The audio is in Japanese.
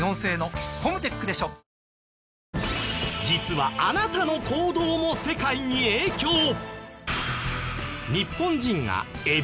実はあなたの行動も世界に影響！